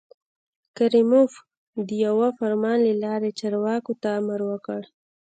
کریموف د یوه فرمان له لارې چارواکو ته امر وکړ.